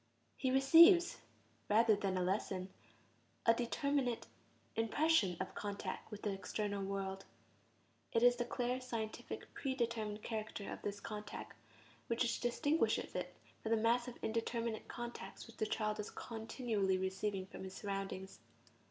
He receives, rather than a lesson, a determinate impression of contact with the external world; it is the clear, scientific, pre determined character of this contact which distinguishes it from the mass of indeterminate contacts which the child is continually receiving from his surroundings.